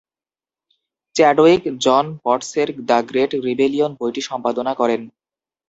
Chadwick John বটসের "the great rebellion" বইটি সম্পাদনা করেন।